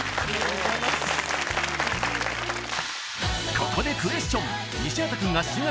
ここでクエスチョン！